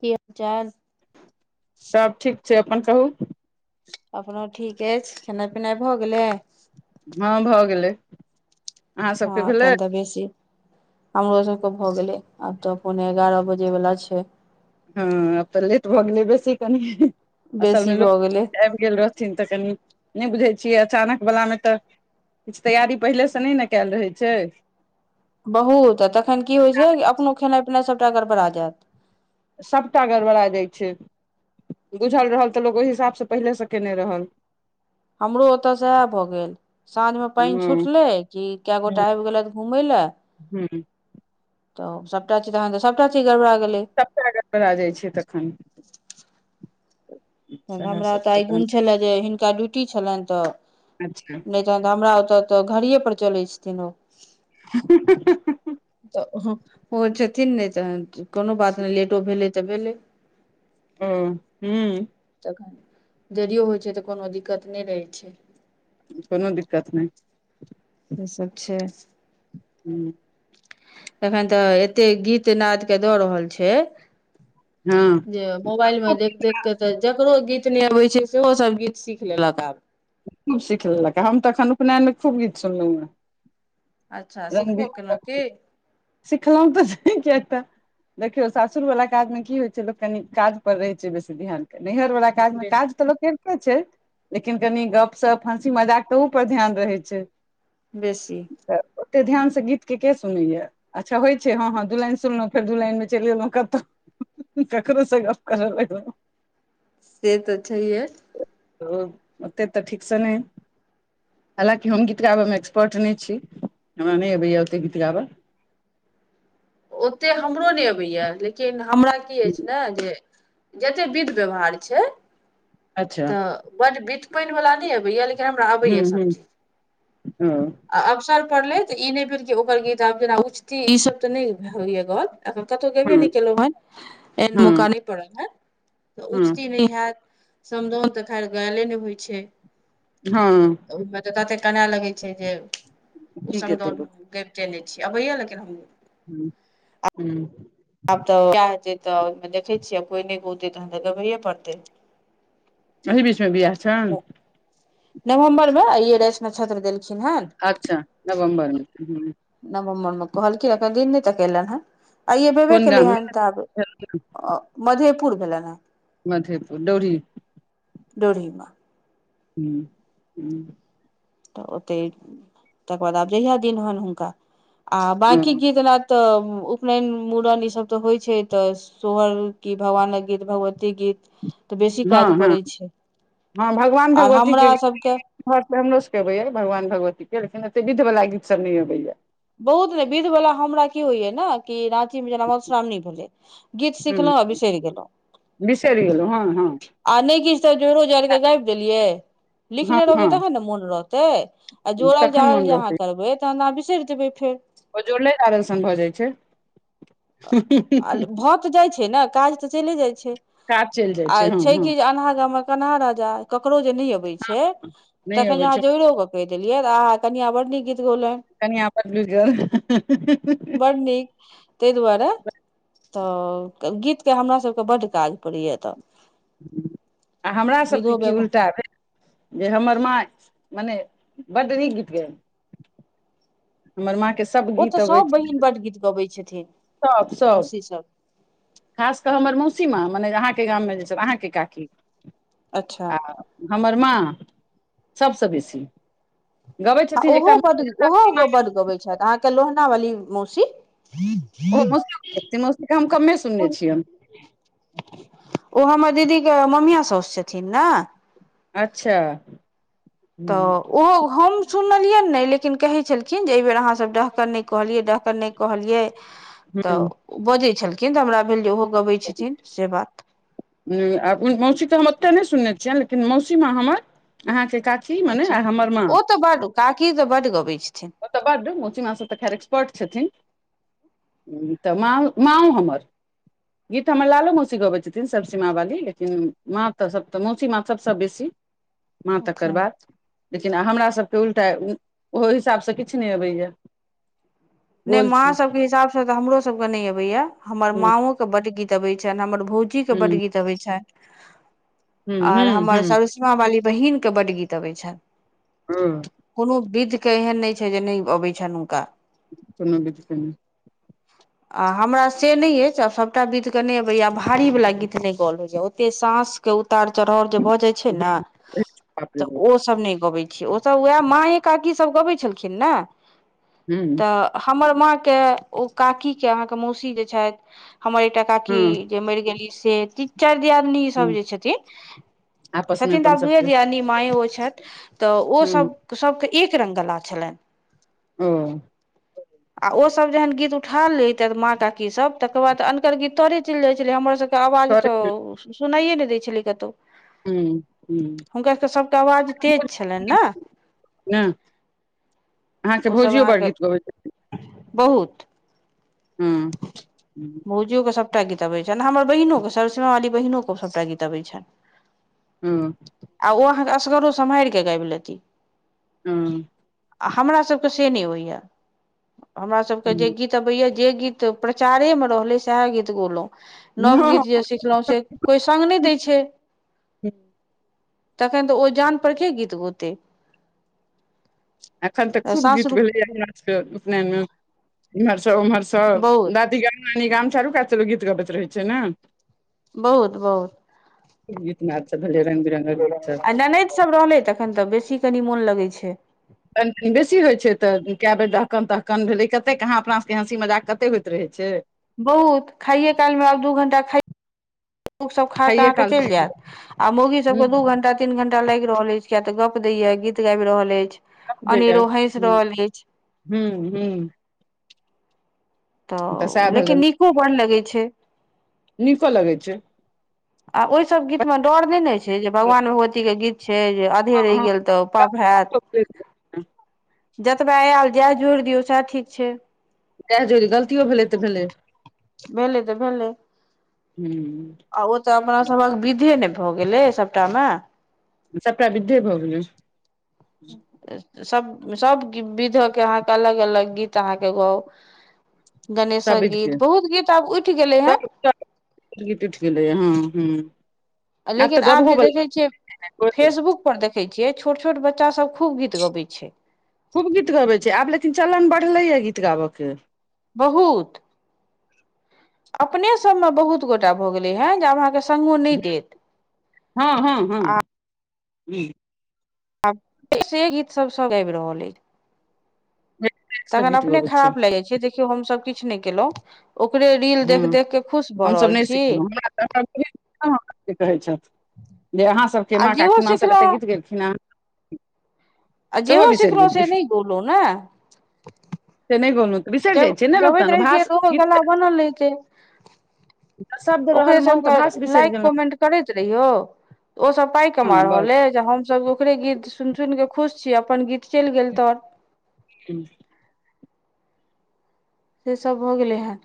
कि चार सभ ठीक छैय अपन कहू? अपनो ठीक अछि खेनाइ पिनाइ भऽ गेलै? हँ भऽ गेलै। अहाँ हँ सबके भेलै अखन तऽ बेसी हमरो सभके भऽ गेलै आब तऽ अपन एगारह बजेवला छैय। हँ अत्त लेट भ गेलै बेसी कनी। बेसी असलमे भऽ लोक गेलै आबि गेल रहथिन तऽ कनि नहि बुझै छियै अचानक वलामे तऽ किछु तैयारी पहिलेसँ नहि ने कयल रहै छै बहुत आ तखन की होइ छै अपनो खेनाइ पिनाइ सभटा गड़बड़ा जायत सभटा गड़बड़ा जाइ छै बुझल रहल तऽ लोक ओहि हिसाबसँ पहिलेसँ केयने रहल हमरो ओतय सेहे भऽ गेल साँझ मे पानि हँ छुटले कि कए ह गोटा आबि गेलथि घूमै ले ऐ ह तऽ सभटा चीज अहांके सभटा चीज गड़बड़ा गेलै सभटा गड़बड़ा जाइ छियै तखन। त सएह हमरा सब तऽ छै आइ तहन गुण छलए जे हिनका ड्यूटी छलनि तऽ अच्छा नहि तहन तऽ हमरा ओतऽ तऽ घड़ीेये पर चलैत छथिन ओ ह्म ह्म ह्म ह्म तऽ ओ छथिन नहि तहन त कोनो बात नहि लेटो भेलै तऽ भेलै। हं हूं जदियो होइ छैय तऽ कोनो दिक्कत नहि रहै छैय। कोनो दिक्कत नहि। ई सब छैय। ह्म एखन तऽ एतेक गीत नादके दऽ रहल छैय। हँ जे मोबाइल मे खूब देख देख के तऽ जकरो गीत नहि अबै छैय सेहो सब गीत सीख लेलक आब खूब सीख लेलक है हम तऽ एखन उपनयनके खूब गीत सुनलहुँ हेँ। अच्छा रंग सिखबो केलहुँ की बिरंगक सिखलहु तऽ क तऽ देखिऔ सासुर वाला काज में की होय छै लोक कनि काज पर रहे छै बेसी ध्यान करने नैहर वाला काजमे बेस काज तऽ लोक करते छै लेकिन कनि गप सप हंसी मजाक तहुपर ध्यान रहै छै बेसी तऽ ओते ध्यान से गीत के सुनैया अच्छा होइ छै हँ हँ दू सुनलउ फर दू लाइन में चलि एहुं कतहु ककरो से गप करल लगलौ से तऽ छैहे ओते तऽ ठीकसे नहि हलाँकि हम गीत गाबैमे एक्सपर्ट नहि छी हमरा नहि आबय यै ओते गीत गाबै ओतेक हमरो नहि अबैए लेकिन हमरा की अछि ना जे जतेक विध व्यवहार छै अच्छा तऽ बड़ बित पनि वाला नहि अबैया लेकिन हमरा हूँ अबैये सब हूँ चिज हँ अवसर परलै त इ नै ओकर गीत आब जेना उचती ई सब तऽ नहि होइ या कहल एखन कतहु गबे हँ नहि केलहु हँ एन हँ मौकाने पड़ल ह तऽ हँ उचती नहि हयत समदाउन तऽ खैर गायले ने होइ छै हँ ओहिमे त तते केना लगै छै जे ओ की केतै समदौउल हम गाबिते नहि छी अबैया लेकिन हम ह्म ह्म आब तऽ बियाह हेतै तऽ ओहिमे देखै छियै आ कोइ नहि गतै तखन तऽ गबैए पड़तै एहि बीचमे बियाह छनि नवम्बर मे आइये रहै नश्क्षत्र देल अच्छा नवम्बर में नवहम्बर मे कहलखिन है दिन नहि त खेलन ह आइय भेबे कोन गाम केलैहन तऽ मे आब मधेपुर भेलनि हन मधेपुर डौरी डोरी म ह्म ह तऽ ओते तकर बाद अब जहिया दिन होन हुनका आ बाकी ह गीत लैए तऽ उपनयन मूड़न ई सब तऽ होइ छैय तऽ सोहर की भगवानक गीत भगवतीक गीत [inaudible] हाँ काज हाँ पड़ै छै हाँ भगवान आर हमरा भगवतीके सभके घरसे हमरो सबके अबैये भगवान भगवती के लेकिन ओते विध वाला गीत सब नहि अबैया बहुत ने विध वला हमरा की होइय ने कि न रात जे मधुश्रावणी भेलै गीत सिखलहुँ आ ह बिसरि गेलहु बिसरि गेलहुँ हँ हँ आ नहि किछु तऽ जोरो जड़ि क गबि देलियै हँ लिखने रहबै हँ तखन ने मोन रहतै आ जोड़ल तखन जड़ल मोन जे अहाँ करबै तऽ त न बिसरि जैबै फेर ओ जुड़ले आदर्शन भऽ जाइ छै आ काज भऽ तऽ जाइ छै ने काज तऽ चले जाइ छै चलि जाइ आ हँ छै कि हँ जे अन्हा गाँम में कनहा राजा ककरो जे नहि अबै छै नहि तखन अबै अहाँ छै जोड़ो के कहि देलियै अहाँ कनिया बड़ नीक गीत कनिया बदलि गेल [unintelligible] बड़ नीक ताहि दुआरे तऽ गीतके हमरा सबके बड्ड काज पड़ैए तऽ आ हमरा सबके विधो की व्यवहार उल्टा भेल जे हमर माँ मने बड नीक गीत ग हमर माँ के सब ओ गीत तऽ सभ अबैछै बहिन बड्ड गीत गबै छथिन सब सब मौसीसभ खास कऽ हमर मौसीमा मने आहाॅं अच्छा [unintelligible] माँ सबसे बेसी गबै आ छथिन ओहो एकटा बड्ड ओहो बड्ड गबैत छथि अहाँके लोहनावाली मौसी। ओस मस्ता हम कम्मे सुनने छियन। ओ हमर दीदीके ममिया सउस छथिन ने। अच्छा हुँ तऽ ओ हम सुनलियन नइ लेकिन कहै छलखिन जे एहि बेर अहाँसभ डहकन नहि कहलियै डहकरन नहि कहलियै। तऽ बजै छलखिन तऽ हमरा भेल जे ओहो गबै छथिन से बात। आ मौसी तऽ हम ओते नइ सुनने छियनि लेकिन मौसी मे हमर अहाँके काकी मने अच्छा आ हमर माँ ओ तऽ बड काकी तऽ बड गबै छथिन। ओतऽ बड्ड मौसी मास सब तऽ खैर एक्सपर्ट छथिन। ह तऽ मा मा ओ हमर। गीत हमर लालो मोसी गबेइ छथिन। सीमा वाली लेकिन मा तऽ सभ तऽ मौसी मा त सब स बेसी। माँ तकर अच्छा बाद लेकिन हमरा सबके उल्टा ओहो हिसाबसँ किछु नहि अबैया। नहि गोल माँ छी सभके हिसाबसँ तऽ हमरो सभके नई अबैया हमर हूँ माँ ओके बड्ड गीत अबै छनि हमर भौजी के बड हूँ गीत अबै छैय। हूँ आर हूँ हमर हूँ सरसमा वाली बहिन के बड गीत अबै छनि हँ कोनो विध के एहन नइ जे नइ अबै छनि हुनका। [unintelligible] आ हमरा से नई ये आब सभटा गीत के नइ अबैया आ भारी वाला गीत नइ गओल होइए ओ एते सास के उतार चढ़ाउ जे भऽ जाय छैय ने बाप रे तऽ बाप ओ सब नहि गबे छैय। ओसभ उएह माए काकी सभ गबै छलखिन न हू हमर माँ के ओ काकी के अहाँ के मौसी जे छथि हमर एकटा काकी हँ जे मरि गेली से तीन चारि दियादनी सब जे छथिन आपसमे छथिन तऽ अपन आब दु एगो सबके दियदनी मााय ओ छथि। तऽ ओ हूँ सभ सभके एक रङ्गगला छलनि। ओ आ ओसभ जेहन गीत उठा लहित माँ काकी सभ तकर बाद अनकर गीत तोरे चेल जाइ छलै हमर सबके आवाज हूँ तऽ सुनाइए नई दै छलै कतहु हूँ हुनका सभटा आवाज तेज छलन ने। हँ अहाँके ओसभ भौजियो बड़ अहाँके गीत गबैत बहुत भौजियो के सब सभटा गीत अबैत छनि हमर बहिनो के सरसेमा वाली बहिनोे के सभटा गीत आ छैन। हँ आ ओ अहाँके असगरो सम्हारि कऽ गाबि लेती। हूँ आ हमरा सबके से नइ अबैए या हमरा सबके जे गीत अबैए जे गीत तऽ प्रचारे मे रहले सएह गीत गोलौ। हूँ नवगीत जे सिखलहुँ से कोइ सङ्ग नहि दै छैय। हँ तखन तऽ ओ जान पर के गीत गोते? एखन तऽ खूब गीत भेलैया हमरा सबके उपनयन इम्हर उम्हर र सब बहुत दादी गाम नानी गाम चारू क गीत गबैत रहै छैय ने बहुत बहुत खूब गीत नाद सब भेलै रंग बिरंगक गीत सब आ ननैद सब रहलै तखन तऽ बेसी कनि मोन लग करै छै बेसी होइ छै तऽ कए बेर डहकन तहकन भेलै कतेक कहाँ अपना सभके हँसी मजाक कते होइत रहै छै बहुत खाइयए कालमे आब दू घण्टा खाइ सब खा ता खाइये के काल चलि जायत आ मोगी हुँ सबके दू घं्टा तीन घंटा टा लागि रहल अछि किया तऽ गप दय गीत गाबि रहल अछि गप दैये अनेरो हँस हुँ रहल अछि हुँ हुँ सएह तऽ लेकिन भेलनि नीको बड्ड लगै छै नीको लगै छै आ ओहिसभ गीतमे डर नहि ने छै जे भगवान भगवतीके गीत छै जे आधे हँ रहि हँ गेल तऽ पाप हैत जतबा आयल जएह जोड़ि दियौ सएह ठीक छै जेह जोर दिऔ गलतियो भेलै तऽ भेलै भेले तऽ भेले हुँ आ ओ तऽ अपनासभक विधे नहि भऽ गेलै सभटा मे सबटा बिधे भ गेलै सब सब विध के अहाँके अलग अलग गीत अहाँके गाउ सब गणेशक विध गीत के बहुत गीत आब उठि गेलै हेँ सब गीत उठि गेलै हँ हँ तऽ लेकिन आब गबहो जे देखैत छियै बला फेसबुक पर देखैत छियै छोट छोट बच्चा सभ खूब गीत गबै छै खूब गीत गबैत छै आब लेकिन चलन बढ़लैए गीत गाबयके बहुत अपने सबमे बहुत गोटा भऽ गेलै है जे आब अहाँके संगो नहि देत आ ह्म आब से गीतसभ सभ गाबि रहल अइ सब तखन गीत अपने गबै छै खराब लएग जाइ छैै देखियौ हमसभ किछु नहि कयेलहुँ हँ हमसभ नहि छी सिखलहुँ हमरा तऽ कहै छथि [unintelligible] जे अहाँ सभके आ माँ जेहो काकी माँ सब एतऽ गीत गेलखिन हेँ अजेहो सिखलों गेलियै से नहि गेलो ने से नहि बोललहुँ तऽ बिसरि जाइ जब छियै ने लोक गबैत तहन रहे छियै भाष तऽ ओहो गीत गला बनल रहे छैय। शब्द रहल ओकरे मोन तऽ भाष सभके बिसरि लाइक गेलहुँ कमेंट करैत रहियौ। ओसभ पाइ कमा हँ बस रहल ऐ जे हमसभ ओकरे गीत सुनि सुनि कऽ खुश छी अपन गीत चलि गेल त सेसभ भऽ गेलै हन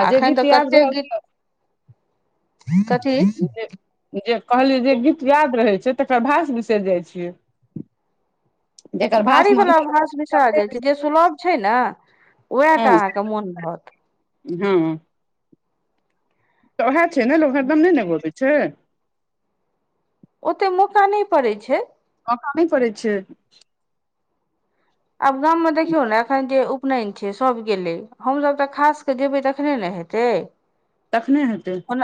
आ जे एखन गीत तऽ याद कतेक रहल गीत कथी जे जे कहली जे गीत याद रहै से तकर भास बिसरि जाइ छियै जेकर भाषमन भारीवला भास बिसरा जाई छै जे सुलभ छै ने हँ ओएहटा अहाँके मन रहत हँ तऽ ओहए छै ने लोक हरदम ने ने गोबै छै ओते मौका नहि पड़ैत छै मौका नै पड़ै छै आब गाम मे देखियौ ने एखन जे उपनयन छै सब गेलै हमसभ तऽ खास केऽ जेबै तखने ने हेतै नहि हेतै ओना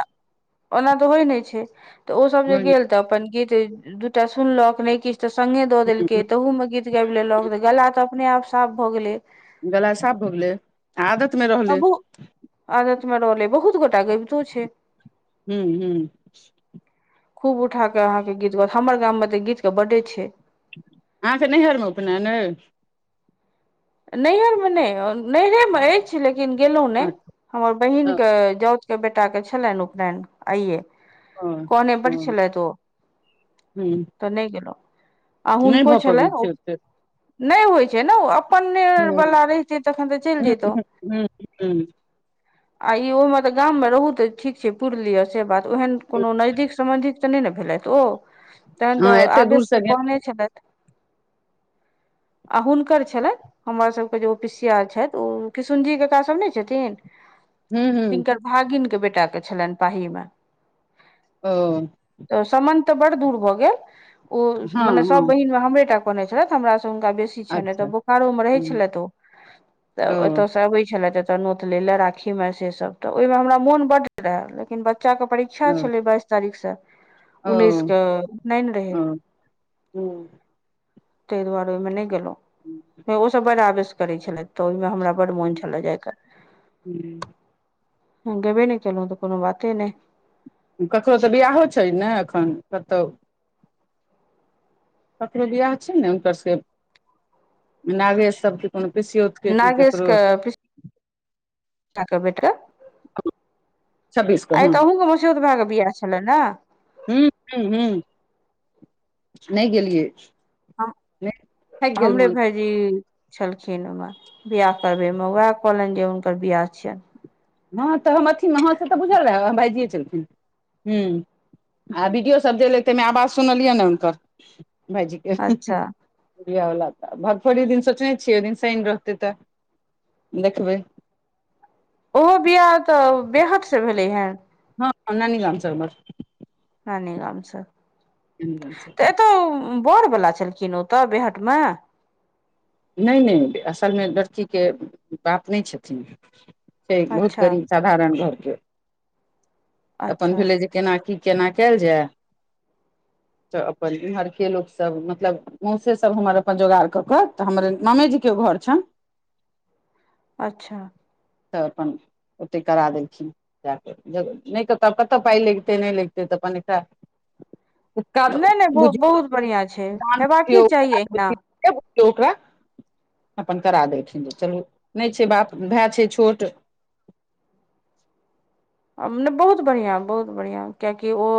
ओना तऽ होइ नहि छै तऽ ओसभ जे गेल तऽ अपन गीत दूटा सुनलक नहि किछु तऽ संगे दऽ देलकै तहूमे गीत गाबि लेलक तऽ गला तऽ अपने आप साफ भऽ गेलै गला साफ भऽ गेलै आ आदत मे रहलै अबू आदत रहलै बहुत गोटा गबतो छै ह्म ह्म खूब उठा कऽ अहाँके गीत गात हमर गाममे तऽ गीतके बड्डे छै अहां के नैहरमे उपनयन यै? नैहरमे नहि नैहरेमे अछि लेकिन लेकिन गेलहुं ने हमर बहिन के अच्छा जाउत के बेटा के छलनि उपनयन आइये। कहने बड़ छलैथ ओ हँ तऽ नहि गेलौ। आ नहि हुनको भऽ पबै छलय छै ओते नैय होइत छैय ने ओ ने हूँ वला रहित तखन तऽ चैल हूँ जतौ। हूँ हूँ आ ई ओहिमे तऽ गाममे रहू तऽ ठीक छैय पुरी लिय से बात ओहन कोनो नजदीक सम्बंधित तऽ नहि ने भेलथि ओ तहन हँ तऽ एते दूर आवेशसँ से गेल कहने छलथि। आ हुनकर छलै। हमर सबके जे ओ पिसिया छैत ओ किशुनजी कक्का सभ नैय छथिन हूँ हूँ जिनकर भागिनके बेटाके छलनि पाहीमे ओ त बर दूर भ गेल उ हँ मने सब हँ बहिन में हमरे टा बने छलईथ त हमरा स नका बेसी छलनि एतऽ अच्छा बोखारो मे रहै हूँ छलथि ओ तऽ ओ ओतय से अबै छलथि। चनौत ले ले राखी में से सब तऽ ओहिमे हमरा मोन बड रहै लेकिन बच बच्चा के परीक्षा ओ छले बाइस तारीख से ओ उन्नैस क ओ उ नैन रह हूँ तै दुआारेमे नहि गलहु। ओ सब बड़ आवेश करै छलथि तऽ हमरा बड़ मोन हूँ छल जाय क। हूँ गेबे नै केलू त कोनो बाते नहि। ककरहु स बियहो छैय ने एखन कतहु? ककरो बियाह छैय ने हुनकर से नागे सबके को पीसीओत के की नागेश ककरो के पिसा [unintelligible] आइ छब्बीस के हँ तऽ अहूँके मस्यौत भएके बिआाह छलय ने? [inaudible] हूँ हूँ हूँ नहि गेलियै। हम नहि थाकि गेल हमरे मोन भाईजी छलखिन ओमे बियाह करबैमे उएह कहलनि जे हुनकर बियाह छियैन हँ तऽ हम अथि ह से तऽ बुझल रहै भायइजिए छलखिन हु आ वीडियोसभ द लेतै मे आवाज सुनलियै ने हुनकर भायजीके अच्छा बियाह बला त भगफोरी दिन सोचने छियै ओहि दिन शैन रहतै तऽ देखबै ओहो बियाह तऽ बेहद से भेलै हेँ। हँ नानी गामसबर नानी गामसँ गाम से तऽ ए तो बर बला छलखिन ओ तऽ बेहट मे? नैय नैत असलमे लड़कीके बाप नैय छथिन। छैय बहुत अच्छा गरीब साधारण घरके अपन अच्छा भेलै जे केना की केना कल जाय? तऽ अपनहरके लोक सब मतलब मौसे सब हमर अपन जोगार कऽ कऽ तऽ हमर ननैद के घर छन। अच्छा तऽ अपन ओतेक करा देलखिन जा कऽ जब नहि तब कतय पाइ लगितै नै लगतै तऽ पनिक नैय नैय बहु बहुत बढ़िआँ छैय दान हेबाकी बुझियौ चाही एहिना। उपकार बुझियौ ओकरा अपन करा देलखिनऽ चलू नैय छैय बाप भाय छैय छोट। बहुत बढ़िया बहुत बढ़िया क्याकि ओ